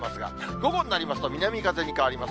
午後になりますと南風に変わります。